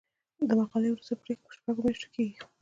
د مقالې وروستۍ پریکړه په شپږو میاشتو کې کیږي.